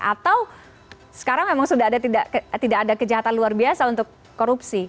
atau sekarang memang sudah tidak ada kejahatan luar biasa untuk korupsi